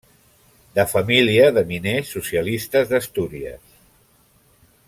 De família de miners socialistes d’Astúries.